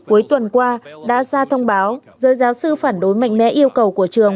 cuối tuần qua đã ra thông báo giới giáo sư phản đối mạnh mẽ yêu cầu của trường